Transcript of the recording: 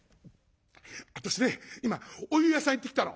「私ね今お湯屋さん行ってきたの」。